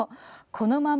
このまま？